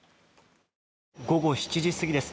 午後７時過ぎです。